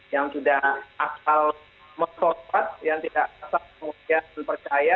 yang sudah akal mesotot yang tidak asal kemudian dipercaya